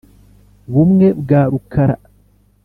bumwe bwa rukara